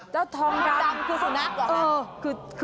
เจ้าทองดำคือสุนัขเหรอครับสุนัขเหรอครับเออคืออะไรคะ